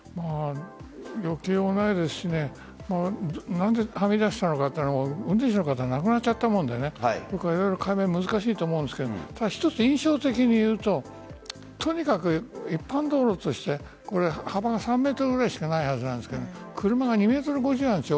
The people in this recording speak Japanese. よけようないですし何で、はみ出したのかというのも運転手の方亡くなっちゃったもんで色々、解明難しいと思うんですが一つ、印象的に言うととにかく一般道路として幅が３ｍくらいしかないはずなんですが車が２ｍ５０あるんです。